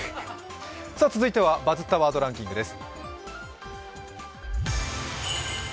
続いてはバズったワードランキングです。